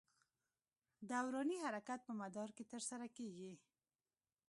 دوراني حرکت په مدار کې تر سره کېږي.